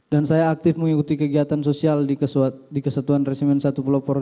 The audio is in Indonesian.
dan saya aktif mengikuti kegiatan sosial di kesatuan resimen satu pelopor